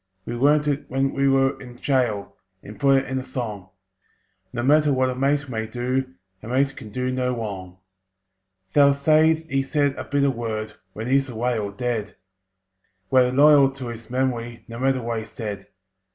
We learnt it when we were in gaol, And put it in a song: "No matter what a mate may do, A mate can do no wrong!" They'll say he said a bitter word When he's away or dead. We're loyal to his memory, No matter what he said.